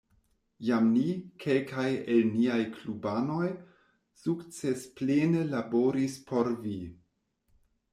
Jam ni, kelkaj el niaj klubanoj, sukcesplene laboris por vi.